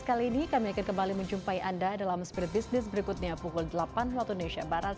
kali ini kami akan kembali menjumpai anda dalam spirit business berikutnya pukul delapan waktu indonesia barat